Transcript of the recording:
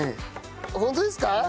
あっホントですか？